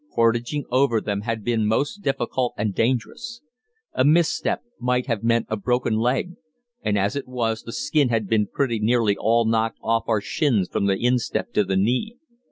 Portaging over them had been most difficult and dangerous. A misstep might have meant a broken leg, and as it was, the skin had been pretty nearly all knocked off of our shins from the instep to the knee.